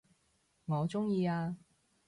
我鍾意啊